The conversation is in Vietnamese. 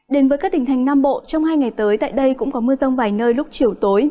đến với các tỉnh thành nam bộ trong hai ngày tới tại đây cũng có mưa rông vài nơi lúc chiều tối